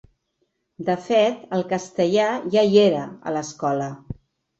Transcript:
De fet, el castellà ja hi era, a l’escola.